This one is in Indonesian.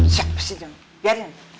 siap biarin emang aja yang nemuin